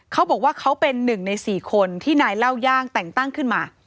เขาบอกว่าเขาเป็นหนึ่งใน๔คนที่นายเล่าย่างแต่งตั้งขึ้นมา